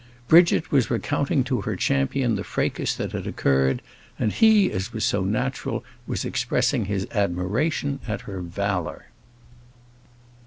Bridget was recounting to her champion the fracas that had occurred; and he, as was so natural, was expressing his admiration at her valour.